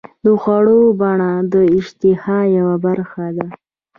د خوړو بڼه د اشتها یوه برخه ده.